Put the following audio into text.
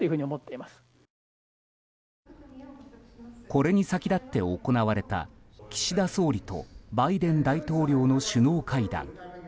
これに先立って行われた岸田総理とバイデン大統領の首脳会談。